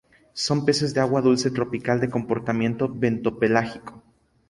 Son peces de agua dulce tropical, de comportamiento bentopelágico.